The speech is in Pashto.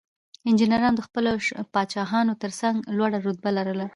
انجینرانو د خپلو پادشاهانو ترڅنګ لوړه مرتبه لرله.